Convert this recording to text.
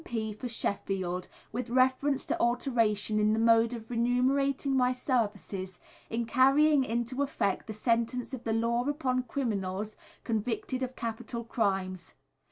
P. for Sheffield, with reference to alteration in the mode of remunerating my services, in carrying into effect the Sentence of the Law upon Criminals convicted of Capital Crimes.